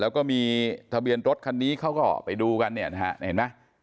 แล้วก็มีทะเบียนรถคันนี้เขาก็ไปดูกันเนี่ยนะฮะเห็นไหม